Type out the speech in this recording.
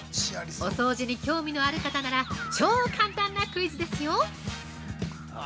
お掃除に興味のある方なら超簡単なクイズですよ。